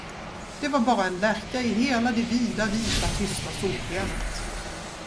Det var bara en lärka i hela det vida, vita, tysta solskenet.